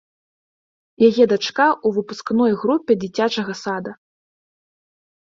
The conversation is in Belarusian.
Яе дачка ў выпускной групе дзіцячага сада.